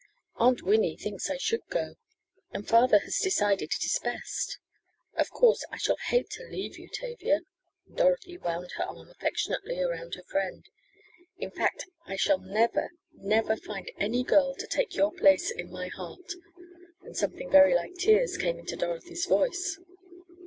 "Aunt Winnie thinks I should go, and father has decided it is best. Of course I shall hate to leave you, Tavia," and Dorothy wound her arm affectionately around her friend. "In fact I shall never, never, find any girl to take your place in my heart," and something very like tears came into Dorothy's voice.